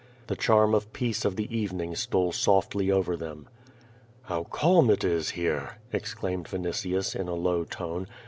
The charm of peace of the evening stole softly over them. "How calm it is here," exclaimed Vinitius in a low tone.